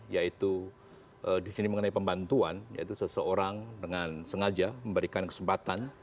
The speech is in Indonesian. yaitu di sini mengenai pembantuan yaitu seseorang dengan sengaja memberikan kesempatan